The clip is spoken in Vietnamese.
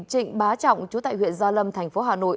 trịnh bá trọng chú tại huyện gia lâm thành phố hà nội